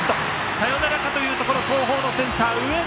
サヨナラかというところ東邦のセンター、上田。